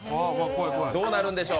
どうなるんでしょう。